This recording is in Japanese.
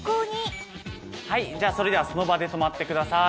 じゃあそれではその場で止まってください。